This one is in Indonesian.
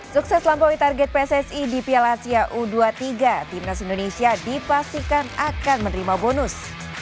sukses melampaui target pssi di piala asia u dua puluh tiga timnas indonesia dipastikan akan menerima bonus